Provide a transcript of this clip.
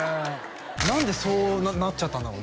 何でそうなっちゃったんだろうね？